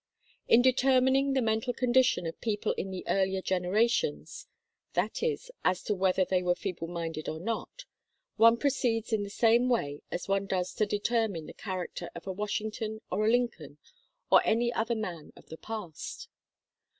In determining the mental condition of people in the earlier generations (that is, as to whether they were feeble minded or not), one proceeds in the same way as one does to determine the character of a Washington or a Lincoln or any other man of the past.